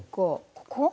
ここ？